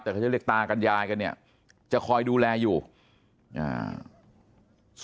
แต่เขาจะเรียกตากันยายกันเนี่ยจะคอยดูแลอยู่อ่า